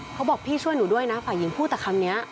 เขาบอกพี่ช่วยหนูด้วยนะฝ่ายหญิงพูดแต่คำนี้